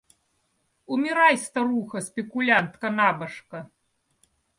Умирай, старуха, спекулянтка, набожка.